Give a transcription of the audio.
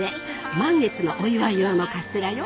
満月のお祝い用のカステラよ。